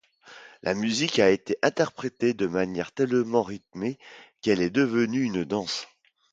La musique a été interprétée de manière tellement rythmée qu'elle est devenue une danse.